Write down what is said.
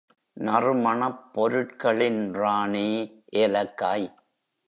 நறுமணப் பொருட்களின் ராணி ஏலக்காய்.